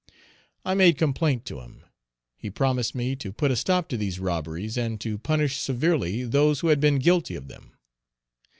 I made complaint to him; he promised me to put a stop to these robberies and to punish severely those who had been guilty of them.